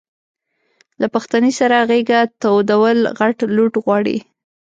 له پښتنې سره غېږه تودول غټ لوټ غواړي.